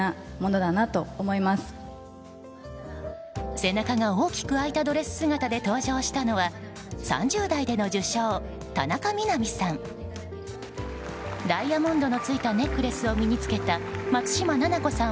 背中が大きく開いたドレス姿で登場したのは３０代での受賞、田中みな実さん。